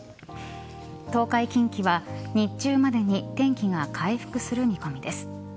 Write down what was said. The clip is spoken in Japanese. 東海、近畿は日中までに天気が回復する見込みです。